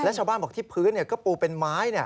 ชาวบ้านบอกที่พื้นก็ปูเป็นไม้